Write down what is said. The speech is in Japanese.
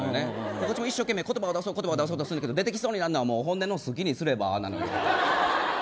こっちも一生懸命言葉出そうと思うけど出てきそうになるのは本音の好きにすればなのよ。